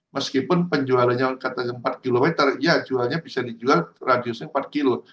meskipun penjualannya katanya empat km ya jualnya bisa dijual radiusnya empat kilo